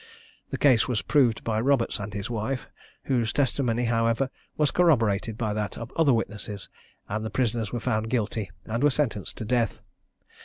The case was proved by Roberts and his wife, whose testimony, however, was corroborated by that of other witnesses, and the prisoners were found guilty and were sentenced to death.